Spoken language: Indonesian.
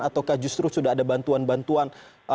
ataukah justru sudah ada bantuan bantuan